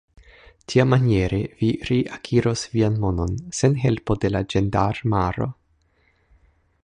Tiamaniere, vi reakiros vian monon, sen helpo de la ĝendarmaro.